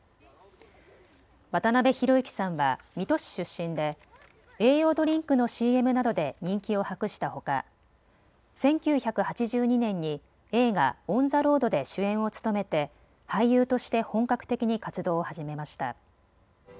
渡辺裕之さんは水戸市出身で栄養ドリンクのＣＭなどで人気を博したほか１９８２年に映画オン・ザ・ロードで主演を務めて俳優として本格的に活動を始めました。